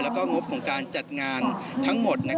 แล้วก็งบของการจัดงานทั้งหมด